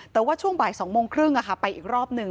แต่ว่าช่วงบ่าย๒โมงครึ่งไปอีกรอบหนึ่ง